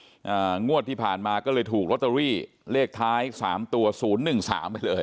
อ่างวดที่ผ่านมาก็เลยถูกลอตเตอรี่เลขท้ายสามตัวศูนย์หนึ่งสามไปเลย